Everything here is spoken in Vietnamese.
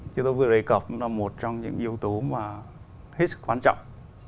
như tôi vừa đề cập là một trong những yếu tố mà hết sức quan trọng